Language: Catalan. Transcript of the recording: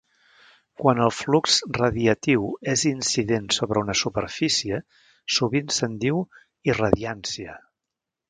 Quan el flux radiatiu és incident sobre una superfície, sovint se'n diu irradiància.